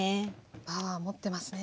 パワー持ってますね